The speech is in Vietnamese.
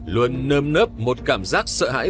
luôn nơm nớp một cảm giác sợ hãi